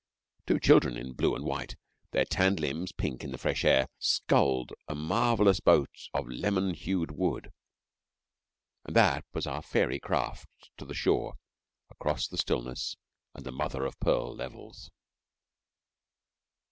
Two children in blue and white, their tanned limbs pink in the fresh air, sculled a marvellous boat of lemon hued wood, and that was our fairy craft to the shore across the stillness and the mother o' pearl levels.